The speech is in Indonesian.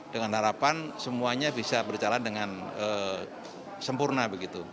dengan harapan semuanya bisa berjalan dengan sempurna begitu